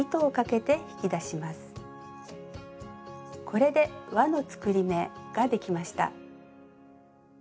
これで「わの作り目」ができました。